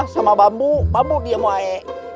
sama bambu bambu diam woy